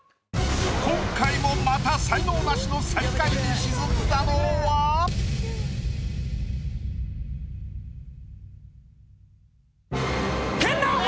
今回もまた才能ナシの最下位に沈んだのは⁉研ナオコ！